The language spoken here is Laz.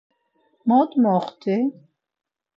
Mot moxti?